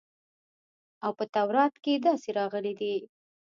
او په تورات کښې داسې راغلي دي.